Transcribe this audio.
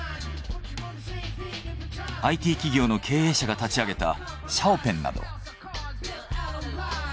ＩＴ企業の経営者が立ち上げた小鵬など。